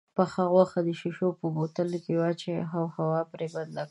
پخه غوښه د شيشو په بوتلو کې واچوئ او هوا پرې بنده کړئ.